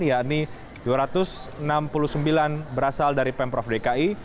yakni dua ratus enam puluh sembilan berasal dari pemprov dki